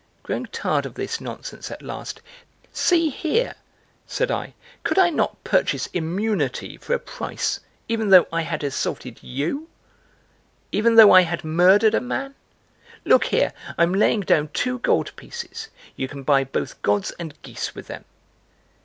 Growing tired of this nonsense at last, "See here," said I, "could I not purchase immunity for a price, even though I had assaulted you'? Even though I had murdered a man? Look here! I'm laying down two gold pieces, you can buy both gods and geese with them!"